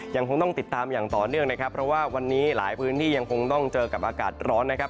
ยังคงต้องติดตามอย่างต่อเนื่องนะครับเพราะว่าวันนี้หลายพื้นที่ยังคงต้องเจอกับอากาศร้อนนะครับ